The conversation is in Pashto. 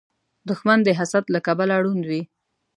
دښمن د حسد له کبله ړوند وي